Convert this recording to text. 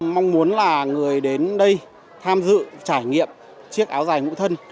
mong muốn là người đến đây tham dự trải nghiệm chiếc áo dài ngũ thân